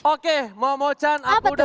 oke momo chan aku udah